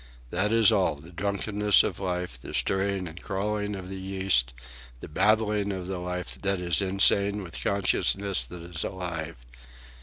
That is all, the drunkenness of life, the stirring and crawling of the yeast, the babbling of the life that is insane with consciousness that it is alive.